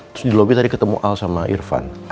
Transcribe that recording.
terus di lobby tadi ketemu al sama irfan